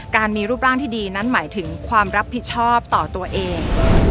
การมีรูปร่างที่ดีนั้นหมายถึงความรับผิดชอบต่อตัวเอง